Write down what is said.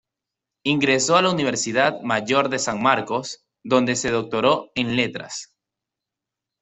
Ingresó a la Universidad Mayor de San Marcos, donde se doctoró en Letras.